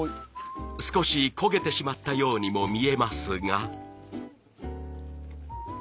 少し焦げてしまったようにも見えますが。